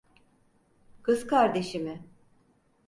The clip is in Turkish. Kız kardeşi mi?